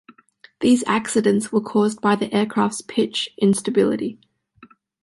These accidents were caused by the aircraft's pitch instability.